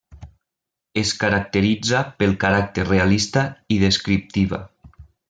Es caracteritza pel caràcter realista i descriptiva.